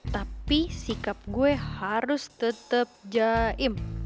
tapi sikap gua harus tetep jaim